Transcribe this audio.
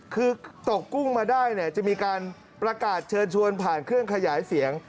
คือตกกุ้งมาได้เนี่ยจะมีการประกาศเชิญชวนผ่านเครื่องขยายเสียง